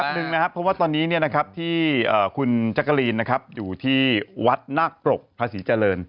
เพราะว่าตอนนี้ที่คุณจักรีนอยู่ที่วัดนาคปรกพระศรีเจริญ